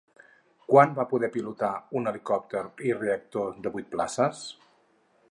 Quan va poder pilotar un helicòpter i reactor de vuit places?